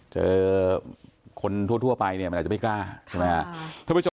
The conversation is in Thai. เจอคนทั่วไปเนี่ยมันอาจจะไม่กล้าใช่ไหมครับ